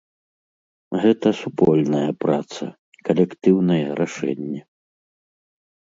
Гэта супольная праца, калектыўнае рашэнне.